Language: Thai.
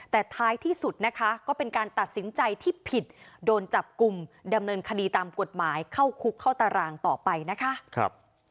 แต่ท้ายที่สุดนะคะก็เป็นการตัดสินใจที่ผิดโดนจับกลุ่มดำเนินคดีตามกฎหมายเข้าคุกเข้าตารางต่อไปนะคะ